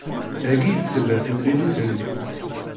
Dayi i d-tella temlilit-nni.